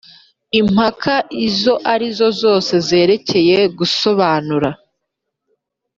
Impaka izo ari zo zose zerekeye gusobanura